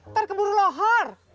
ntar keburu lohar